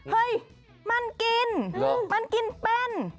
เฮ้ยมันกินมันกินเป็น